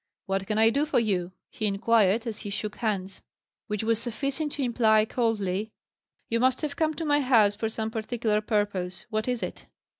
"What can I do for you?" he inquired, as he shook hands. Which was sufficient to imply coldly, "You must have come to my house for some particular purpose. What is it?"